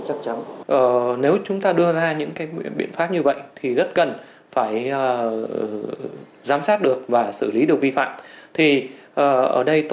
chắc chắn nếu chúng ta đưa ra những cái biện pháp như vậy thì rất cần phải giám sát được và xử lý